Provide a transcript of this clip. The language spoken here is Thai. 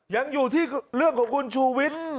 ยังอยู่ที่เรื่องของคุณชูวิทย์